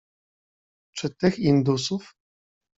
"Czy tych indusów?"